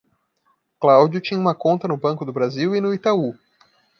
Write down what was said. Cláudio tinha uma conta no Banco do Brasil e no Itaú.